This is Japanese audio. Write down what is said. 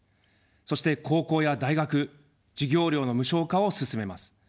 そして高校や大学、授業料の無償化を進めます。